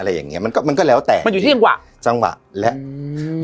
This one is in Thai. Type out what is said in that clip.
อย่างเงี้มันก็มันก็แล้วแต่มันอยู่ที่จังหวะจังหวะและอืม